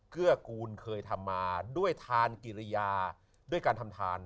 เกื้อกูลเคยทำมาด้วยทานกิริยาด้วยการทำทาน